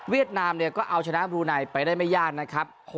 นามเนี่ยก็เอาชนะบรูไนไปได้ไม่ยากนะครับ